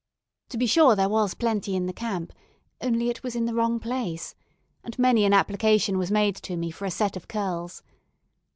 To be sure, there was plenty in the camp, only it was in the wrong place, and many an application was made to me for a set of curls.